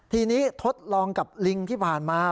ทีนี้ทดลองกับลิงที่ผ่านมา